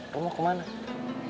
rum mau ketemu sama mbak rere